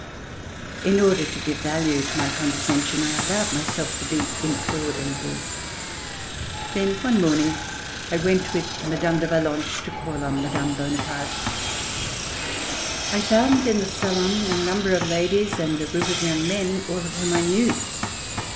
In order to give value to my con (('(( RETURN TO PARIS descension, I allowed myself to be implored a little, then one morning, I went with Mme. de Valence to call on Mme. Bonaparte. I found in the salon a number of ladies and a group of young men, all of whom I knew.